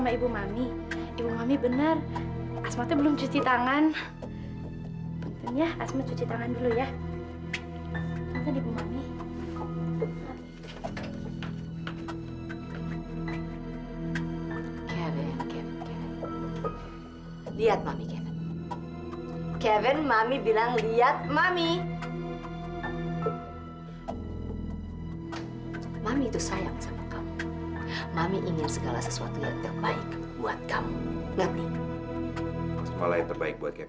abang tak mau asmat